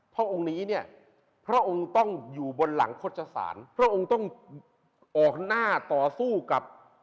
พระองค์นี้เนี่ยพระองค์ต้องอยู่บนหลังโฆษศาลพระองค์ต้องออกหน้าต่อสู้กับ